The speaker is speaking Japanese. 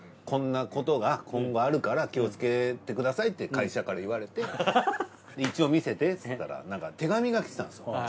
こんなことが今後あるから気をつけてくださいって会社から言われてで一応見せてっつったらなんか手紙が来てたんですよ。